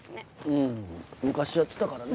うん昔やってたからね。